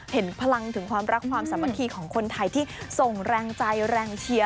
เห็นพลังถึงความรักความสามัคคีของคนไทยที่ส่งแรงใจแรงเชียร์